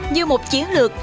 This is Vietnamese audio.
như một chiến lược